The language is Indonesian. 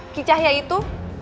kicah ya itu